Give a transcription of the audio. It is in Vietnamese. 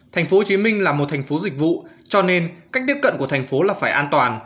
tp hcm là một thành phố dịch vụ cho nên cách tiếp cận của thành phố là phải an toàn